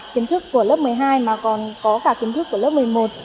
kiến thức của lớp một mươi hai mà còn có cả kiến thức của lớp một mươi một